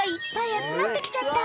集まってきちゃった